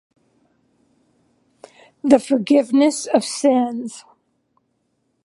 the forgiveness of sins